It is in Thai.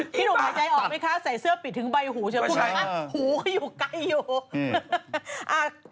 พี่หนูหาใจออกไหมคะใส่เสื้อปิดถึงใบหูเฉยหูก็อยู่ไกลอยู่